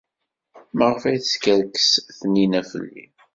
Maɣef ay teskerkes Taninna fell-i?